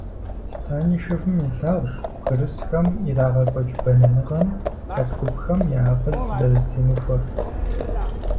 Станишевым елъагъу бгырысхэм ирагъэкӀуэкӀ бэнэныгъэм хэт гупхэм я акъыл зэрызэтемыхуэр.